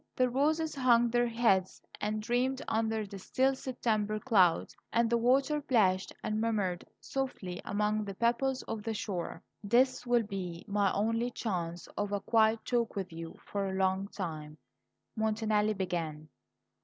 The roses hung their heads and dreamed under the still September clouds, and the water plashed and murmured softly among the pebbles of the shore. "This will be my only chance of a quiet talk with you for a long time," Montanelli began.